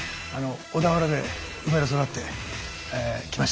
小田原で生まれ育ってきました。